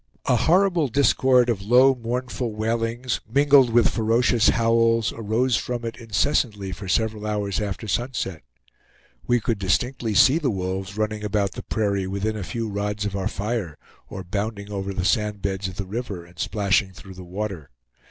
A horrible discord of low mournful wailings, mingled with ferocious howls, arose from it incessantly for several hours after sunset. We could distinctly see the wolves running about the prairie within a few rods of our fire, or bounding over the sand beds of the river and splashing through the water.